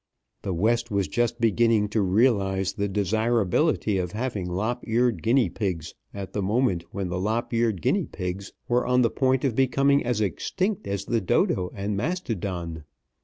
The West was just beginning to realize the desirability of having lop eared guinea pigs at the moment when lop eared guinea pigs were on the point of becoming as extinct as the dodo and mastodon.